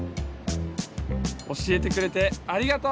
おしえてくれてありがと！